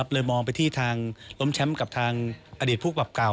เลยมองไปที่ทางล้มแชมป์กับทางอดีตผู้ปรับเก่า